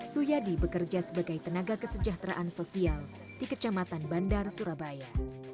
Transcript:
suyadi bekerja sebagai tenaga kesejahteraan sosial di kecamatan bandar surabaya